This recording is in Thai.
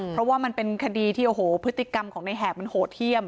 เพราะว่ามันเป็นคดีที่โอ้โหพฤติกรรมของในแหบมันโหดเยี่ยม